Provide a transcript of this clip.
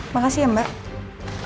makasih ya mbak